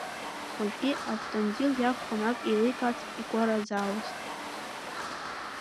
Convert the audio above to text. Уажәгьы Автандил иакәхон ак еиликаарц игәаразаауаз.